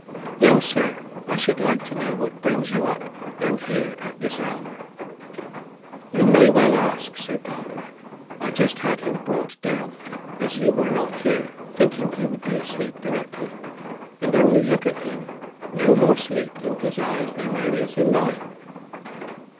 "Young sir, I should like to know what brings you up, and here, at this hour." "You may well ask," said Barbara. "I just had him brought down, as you were not here, thinking he would be asleep directly. And only look at him! no more sleep in his eyes than there is in mine."